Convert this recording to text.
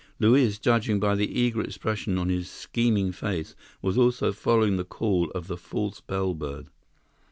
Luiz, judging by the eager expression on his scheming face, was also following the call of the false bellbird.